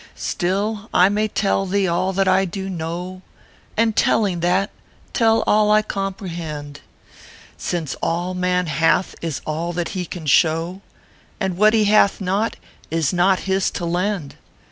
Still, I may tell thee all that I do know, And telling that, tell all I comprehend; Since all man hath is all that he can show, And what he hath not, is not his to lend.